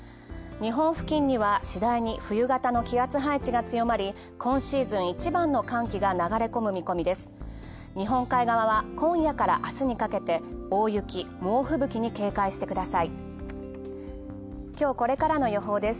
日本付近にはしだいに冬型の気圧配置が強まり、今シーズン一番の寒気が流れ込む見込みです。